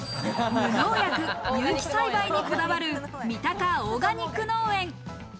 無農薬、有機栽培にこだわる三鷹オーガニック農園。